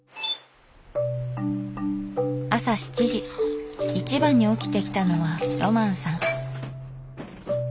朝７時一番に起きてきたのはロマンさん。